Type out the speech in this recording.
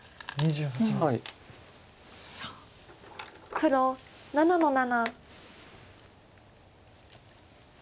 黒７の七。